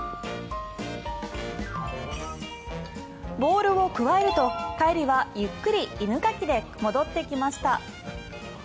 ボールをくわえると帰りは、ゆっくり犬かきで戻ってきました。